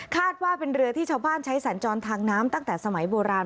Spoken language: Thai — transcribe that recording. ว่าเป็นเรือที่ชาวบ้านใช้สัญจรทางน้ำตั้งแต่สมัยโบราณ